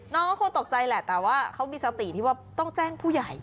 น้องก็คงตกใจแหละแต่ว่าเขามีสติที่ว่าต้องแจ้งผู้ใหญ่